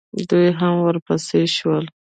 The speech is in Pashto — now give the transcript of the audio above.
دوئ هم ورپسې شول.